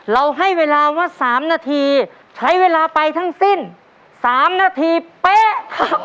เราให้เวลาว่า๓นาทีใช้เวลาไปทั้งสิ้น๓นาทีเป๊ะ